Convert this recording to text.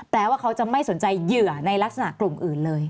ว่าเขาจะไม่สนใจเหยื่อในลักษณะกลุ่มอื่นเลย